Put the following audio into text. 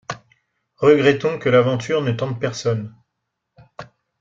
Regrettons que l’aventure ne tente personne.